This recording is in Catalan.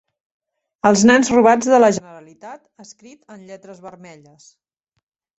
Els nens robats de la Generalitat, escrit en lletres vermelles.